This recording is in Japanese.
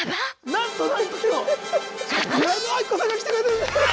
なんとなんと今日矢野顕子さんが来てくれてるんです！